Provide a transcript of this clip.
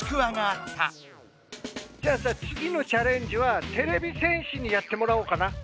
じゃあさつぎのチャレンジはてれび戦士にやってもらおうかな。